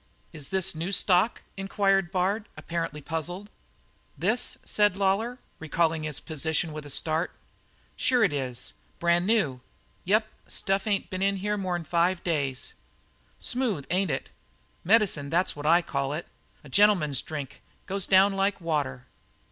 "Is this a new stock?" inquired Bard, apparently puzzled. "This?" said Lawlor, recalling his position with a start. "Sure it is; brand new. Yep, stuff ain't been in more'n five days. Smooth, ain't it? Medicine, that's what I call it; a gentleman's drink goes down like water."